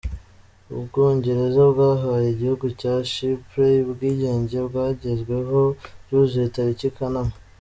Ubwongereza bwahaye igihugu cya Chypres ubwigenge, bwagezweho byuzuye tariki Kanama .